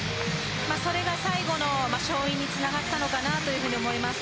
それが最後の勝因につながったと思います。